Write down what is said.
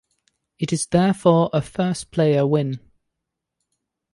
It is therefore a first-player win.